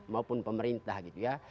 maupun pemerintah gitu ya